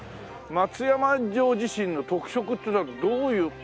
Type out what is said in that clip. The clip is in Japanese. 松山城自身の特色っつうのはどういう？